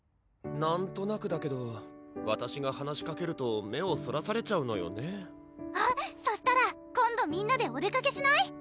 なんとなくだけどわたしが話しかけると目をそらされちゃうのよねあっそしたら今度みんなでお出かけしない？